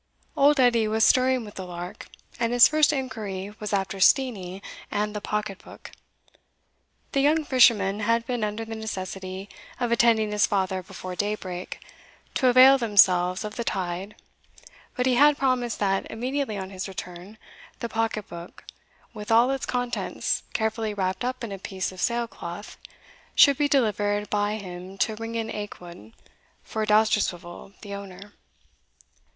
Old Edie was stirring with the lark, and his first inquiry was after Steenie and the pocket book. The young fisherman had been under the necessity of attending his father before daybreak, to avail themselves of the tide, but he had promised that, immediately on his return, the pocket book, with all its contents, carefully wrapped up in a piece of sail cloth, should be delivered by him to Ringan Aikwood, for Dousterswivel, the owner.